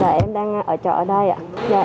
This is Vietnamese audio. hôm nay em đang ở chợ ở đây